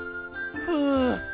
ふう。